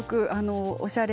おしゃれ。